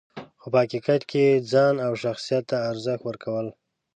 خو په حقیقت کې یې ځان او شخصیت ته ارزښت ورکول .